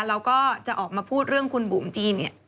แล้วก็จะออกมาพูดเรื่องคุณบุ๋มจีนเนี่ย